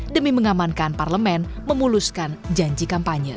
demi mengamankan parlemen memuluskan janji kampanye